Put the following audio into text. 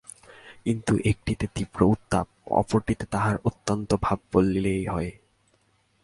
কিন্তু একটিতে তীব্র উত্তাপ ও অপরটিতে তাহার অত্যন্তাভাব বলিলেই হয়।